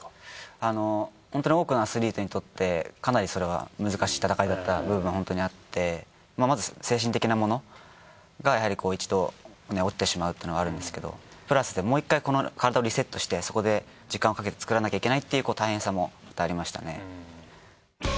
あの本当に多くのアスリートにとってかなりそれは難しい戦いだった部分は本当にあってまず精神的なものがやはりこう一度落ちてしまうっていうのがあるんですけどプラスでもう１回この体をリセットしてそこで時間をかけて作らなきゃいけないっていう大変さもまたありましたね。